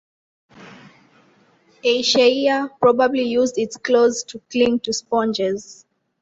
"Aysheaia" probably used its claws to cling to sponges.